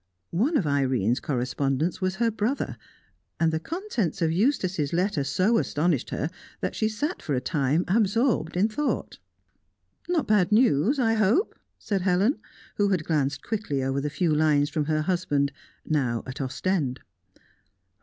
One of Irene's correspondents was her brother, and the contents of Eustace's letter so astonished her that she sat for a time absorbed in thought. "No bad news, I hope?" said Helen, who had glanced quickly over the few lines from her husband, now at Ostend.